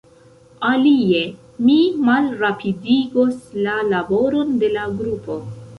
Alie, mi malrapidigos la laboron de la grupo.